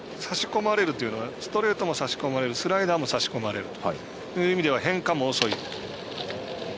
ストレートも差し込まれるスライダーも差し込まれるという意味では変化も遅い。